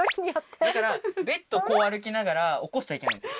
だからベッド歩きながら起こしちゃいけないんですよ。